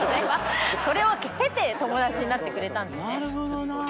それを経て友達になってくれたんでね。